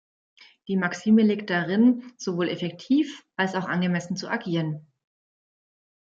Die Maxime liegt darin, sowohl effektiv als auch angemessen zu agieren.